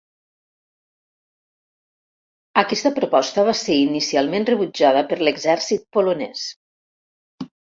Aquesta proposta va ser inicialment rebutjada per l'Exèrcit polonès.